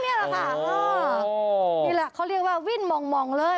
อ๋อนี่แหละเขาเรียกว่าวิ่นมองเลย